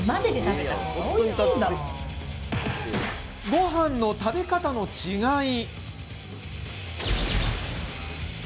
ごはんの食べ方の違い。